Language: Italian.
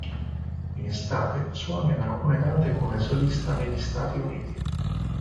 In estate suona in alcune date come solista negli Stati Uniti.